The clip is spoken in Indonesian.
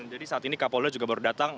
jadi saat ini kapolda juga baru datang